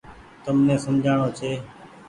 تم ني سمجهآڻو ڇي۔